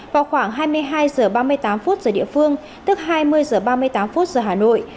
vào khoảng hai mươi hai h ba mươi tám phút giờ địa phương tức hai mươi h ba mươi tám phút giờ hà nội